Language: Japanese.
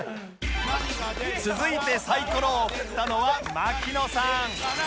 続いてサイコロを振ったのは槙野さん